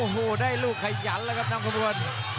มีลูกขยันแล้วครับนำความรวม